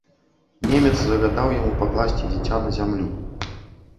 Немец загадаў яму пакласці дзіця на зямлю.